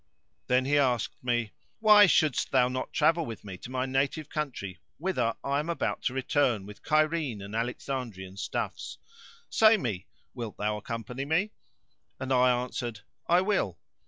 Then he asked me, "Why shouldst thou not travel with me to my native country whither I am about to return with Cairene and Alexandrian stuffs? Say me, wilt thou accompany me?"; and I answered "I will."